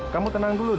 kamu tenang dulu dong